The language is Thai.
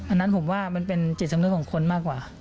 อันนั้นผมว่ามันเป็นจิตสำนึกของคนมากกว่า